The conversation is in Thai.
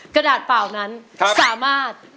กระดาษเปล่านั้นสามารถ